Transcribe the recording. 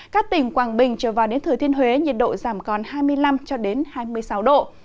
các tỉnh quảng bình trở vào đến thừa thiên huế nhiệt độ giảm còn hai mươi năm hai mươi sáu độ